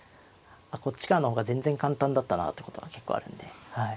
こっちからの方が全然簡単だったなあってことが結構あるんで。